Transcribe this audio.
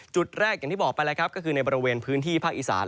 จุดแรกอย่างที่บอกไปแล้วครับก็คือในบริเวณพื้นที่ภาคอีสาน